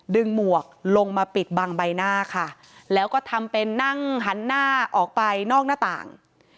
หมวกลงมาปิดบังใบหน้าค่ะแล้วก็ทำเป็นนั่งหันหน้าออกไปนอกหน้าต่าง